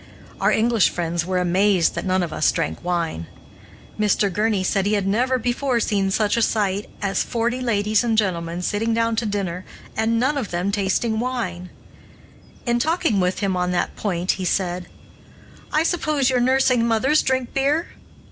Our English friends were amazed that none of us drank wine. Mr. Gurney said he had never before seen such a sight as forty ladies and gentlemen sitting down to dinner and none of them tasting wine. In talking with him on that point, he said: "I suppose your nursing mothers drink beer?"